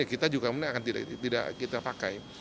kita juga tidak akan kita pakai